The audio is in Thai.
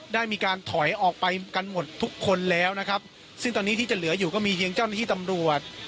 ได้มีการถอยออกไปกันหมดทุกคนแล้วนะครับซึ่งตอนนี้ที่จะเหลืออยู่ก็มีเพียงเจ้าหน้าที่ตำรวจ